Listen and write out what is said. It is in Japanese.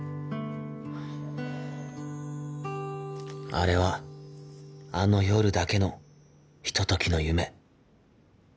あれはあの夜だけのひと時の夢